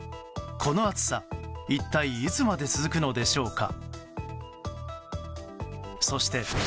この暑さ、一体いつまで続くのでしょうか。